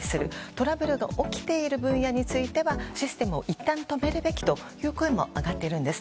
トラブルが起きている分野についてはシステムをいったん止めるべきという声も上がっているんです。